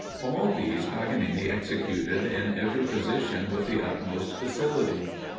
All these Paganini executed in every position with the utmost facility.